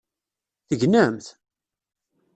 Tegnemt?